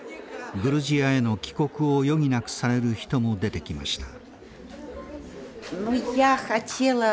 グルジアへの帰国を余儀なくされる人も出てきました。